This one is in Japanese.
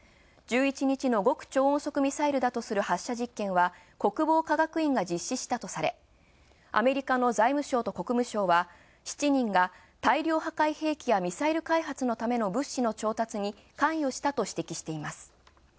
１１日の極超音速ミサイルだとする発射実験は国防科学院が実施したとされ、アメリカの財務省と国務省は７人が大量破壊兵器やミサイル開発のための物資の調達に関与したと指摘しています。